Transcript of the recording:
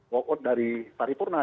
walk out dari paripurna